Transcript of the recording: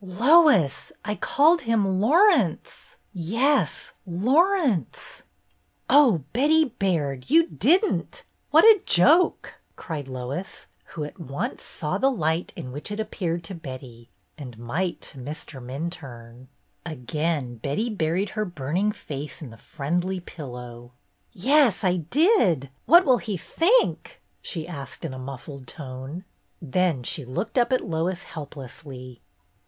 ^' "Lois, I called him 'Laurence'! Yes, 'Laurence' 1 " "Oh, Betty Baird, you didn't! What a joke!" cried Lois, who saw at once the light in which it appeared to Betty and might to Minturne. Again Betty buried her burning face in the friendly pillow. "Yes, I did! What will he think?" she asked in a muffled tone. Then she looked up at Lois helplessly.